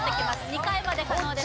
２回まで可能です